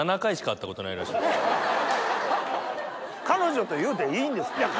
彼女と言うていいんですか？